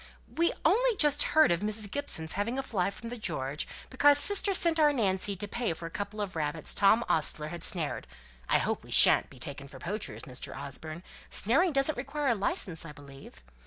"We only just heard of Mrs. Gibson's having a fly from the 'George,' because sister sent our Nancy to pay for a couple of rabbits Tom Ostler had snared, (I hope we shan't be taken up for poachers, Mr. Osborne snaring doesn't require a licence, I believe?)